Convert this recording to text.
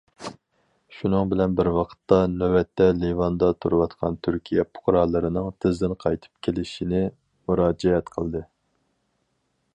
شۇنىڭ بىلەن بىر ۋاقىتتا، نۆۋەتتە لىۋاندا تۇرۇۋاتقان تۈركىيە پۇقرالىرىنىڭ تېزدىن قايتىپ كېلىشىنى مۇراجىئەت قىلدى.